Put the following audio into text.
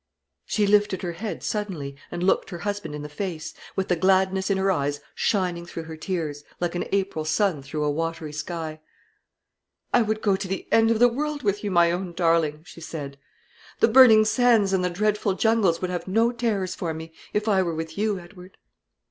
She lifted her head suddenly, and looked her husband in the face, with the gladness in her eyes shining through her tears, like an April sun through a watery sky. "I would go to the end of the world with you, my own darling," she said; "the burning sands and the dreadful jungles would have no terrors for me, if I were with you, Edward."